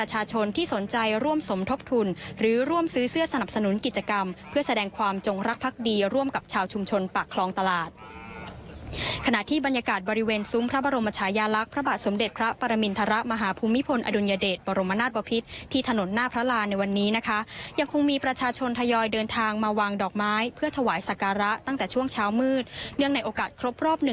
สวัสดีคุณครับสวัสดีคุณครับสวัสดีคุณครับสวัสดีคุณครับสวัสดีคุณครับสวัสดีคุณครับสวัสดีคุณครับสวัสดีคุณครับสวัสดีคุณครับสวัสดีคุณครับสวัสดีคุณครับสวัสดีคุณครับสวัสดีคุณครับสวัสดีคุณครับสวัสดีคุณครับสวัสดีคุณครับสวัสดีคุณครับ